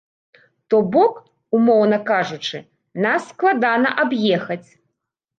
То бок, умоўна кажучы, нас складана аб'ехаць.